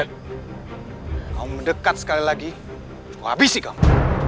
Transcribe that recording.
kau mendekat sekali lagi aku habisi kamu